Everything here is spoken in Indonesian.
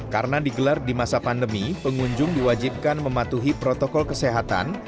karena digelar di masa pandemi pengunjung diwajibkan mematuhi protokol kesehatan